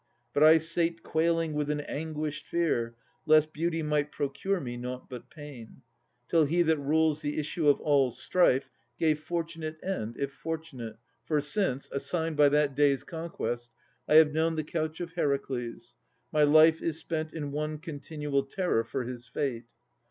But I sate quailing with an anguished fear, Lest beauty might procure me nought but pain, Till He that rules the issue of all strife, Gave fortunate end if fortunate! For since, Assigned by that day's conquest, I have known The couch of Heracles, my life is spent In one continual terror for his fate.